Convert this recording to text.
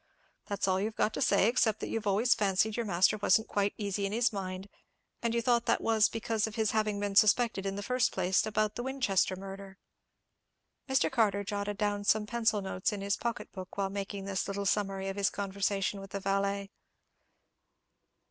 That's all you've got to say, except that you've always fancied your master wasn't quite easy in his mind, and you thought that was because of his having been suspected in the first place about the Winchester murder." Mr. Carter jotted down some pencil notes in his pocket book while making this little summary of his conversation with the valet.